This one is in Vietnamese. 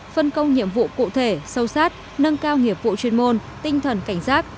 phân công nhiệm vụ cụ thể sâu sát nâng cao nghiệp vụ chuyên môn tinh thần cảnh giác